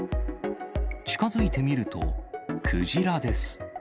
近づいてみると、クジラです。